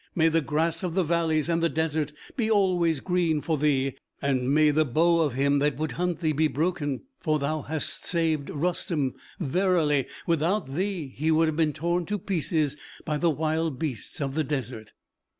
May the grass of the valleys and the desert be always green for thee, and may the bow of him that would hunt thee be broken, for thou hast saved Rustem; verily, without thee he would have been torn to pieces by the wild beasts of the desert."